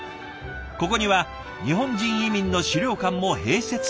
ここには日本人移民の史料館も併設されています。